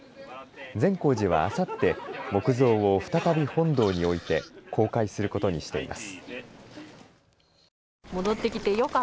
善光寺はあさって木像を再び本堂に置いて公開することにしています。